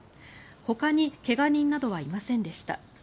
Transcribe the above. ほかに怪我人などはいませんでした。